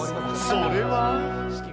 それは。